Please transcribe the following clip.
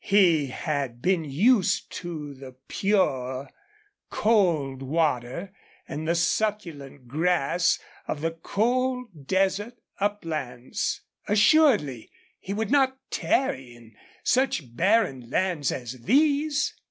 He had been used to the pure, cold water and the succulent grass of the cold desert uplands. Assuredly he would not tarry in such barren lands as these.